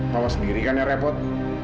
bawa sendiri kan yang repot